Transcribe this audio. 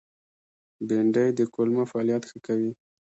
بېنډۍ د کولمو فعالیت ښه کوي